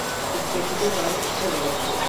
इस प्रश्न के सारे उत्तर ग़लत थे।